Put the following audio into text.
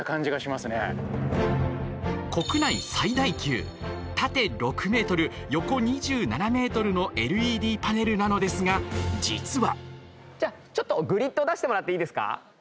国内最大級縦６ｍ、横２７ｍのＬＥＤパネルなのですが、実は。